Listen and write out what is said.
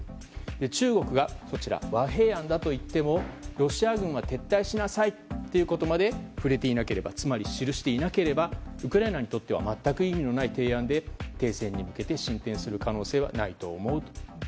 中国は和平案だといってもロシア軍が撤退しなさいということまで触れていなければつまり記していなければウクライナにとっては全く意味のない提案で停戦に向けて進展する可能性はないと思うと。